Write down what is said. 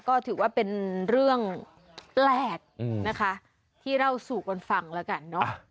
ก็ถือว่าเป็นเรื่องแปลกนะคะที่เล่าสู่กันฟังแล้วกันเนอะ